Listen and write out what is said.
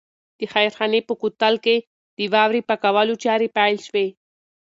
د خیرخانې په کوتل کې د واورې پاکولو چارې پیل شوې.